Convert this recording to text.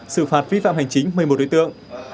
xử phạt vi phạm hành chính một mươi một đối tượng